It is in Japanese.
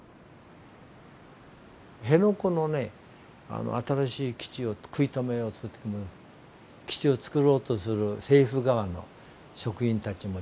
辺野古の新しい基地を食い止めようとする時に基地を造ろうとする政府側の職員たちも出てきてるわけでしょ。